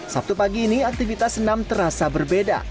sabtu pagi ini aktivitas senam terasa berbeda